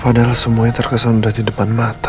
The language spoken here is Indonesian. padahal semuanya terkesan sudah di depan mata